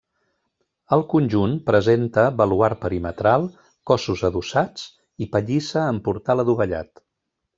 El conjunt presenta baluard perimetral, cossos adossats i pallissa amb portal adovellat.